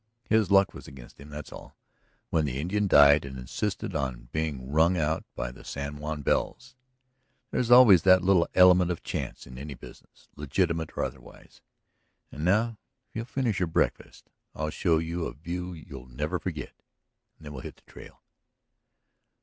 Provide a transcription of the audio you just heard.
His luck was against him, that's all, when the Indian died and insisted on being rung out by the San Juan bells. There's always that little element of chance in any business, legitimate or otherwise. ... And now, if you'll finish your breakfast I'll show you a view you'll never forget and then we'll hit the trail."